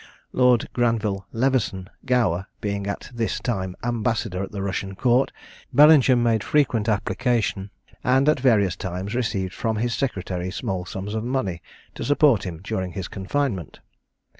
Lord Granville Leveson Gower being at this time ambassador at the Russian Court, Bellingham made frequent application, and, at various times, received from his secretary small sums of money to support him during his confinement.